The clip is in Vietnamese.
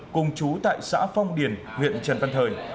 cùng chú tại xã phong điền huyện trần văn thời